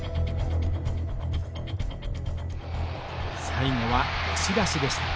最後は押し出しでした。